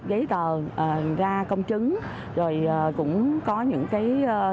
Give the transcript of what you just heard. giấy tờ ra công chứng rồi cũng có những cái